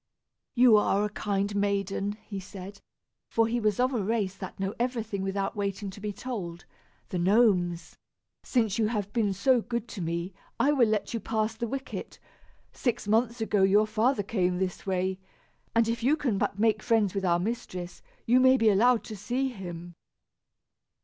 "You are a kind maiden," he said, for he was of a race that know everything without waiting to be told the Gnomes. "Since you have been so good to me, I will let you pass the wicket. Six months ago your father came this way, and if you can but make friends with our mistress, you may be allowed to see him."